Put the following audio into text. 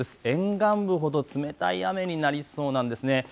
沿岸部ほど冷たい雨になりそうです。